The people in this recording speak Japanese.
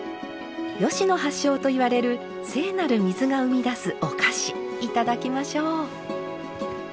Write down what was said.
吉野発祥といわれる聖なる水が生み出すお菓子いただきましょう。